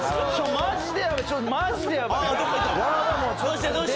マジで。